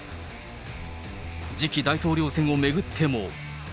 次期大統領選を巡っても。